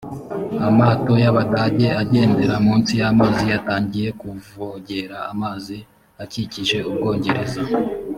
amato y abadage agendera munsi y amazi yatangiye kuvogera amazi akikije u bwongereza